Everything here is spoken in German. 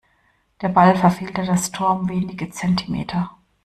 Der Ball verfehlte das Tor um wenige Zentimeter.